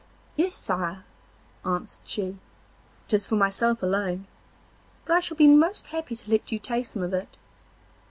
'Yes, sire,' answered she, 'it is for myself alone, but I shall be most happy to let you taste some of it.